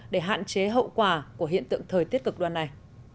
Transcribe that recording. để hạn chế hậu quả của hiện tượng thời tiết cực đoan này